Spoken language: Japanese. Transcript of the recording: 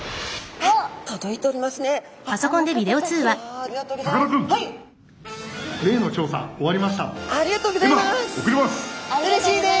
ありがとうございます。